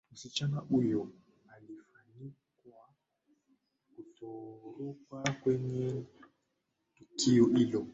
msichana huyo alifanikiwa kutoroka kwenye tukio hilo